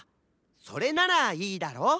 それならいいだろ？